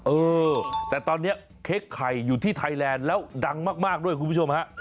เออแต่ตอนนี้เค้กไข่อยู่ที่ไทยแลนด์แล้วดังมากด้วยคุณผู้ชมฮะ